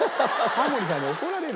タモリさんに怒られる。